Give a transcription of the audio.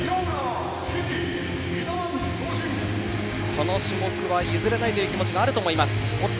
この種目は譲れないという気持ちはあると思います、塩浦。